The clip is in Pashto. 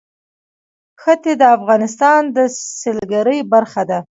ښتې د افغانستان د سیلګرۍ برخه ده.